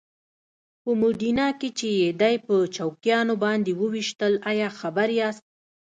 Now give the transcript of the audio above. په موډینا کې چې یې دی په چوکیانو باندې وويشتل ایا خبر یاست؟